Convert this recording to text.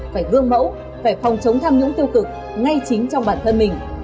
phải gương mẫu phải phòng chống tham nhũng tiêu cực ngay chính trong bản thân mình